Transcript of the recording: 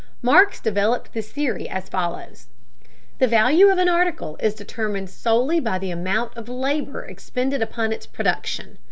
Marx developed this theory as follows: The value of an article is determined solely by the amount of labor expended upon its production.